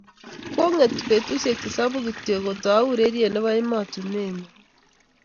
Kong'etu betushe tisap kityo si kotou urerie ne bo emotinwek ne bo .